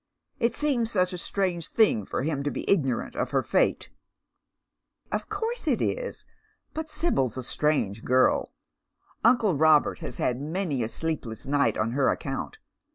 It seems such a strange thing for hinj to be ignorant of her fate." " Of course it is. But Sibyl's a strange girl. Uncle Robert has had many a sleepless night on her account.